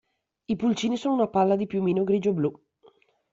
I pulcini sono una palla di piumino grigio-blu.